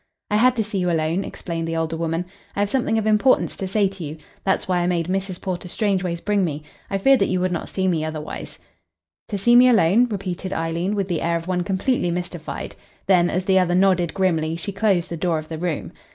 "I had to see you alone," explained the older woman. "I have something of importance to say to you that's why I made Mrs. Porter Strangeways bring me. I feared that you would not see me otherwise." "To see me alone?" repeated Eileen, with the air of one completely mystified. Then, as the other nodded grimly, she closed the door of the room.